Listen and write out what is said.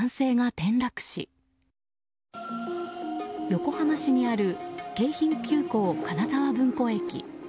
横浜市にある京浜急行金沢文庫駅。